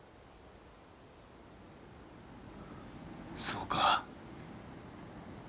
そうか。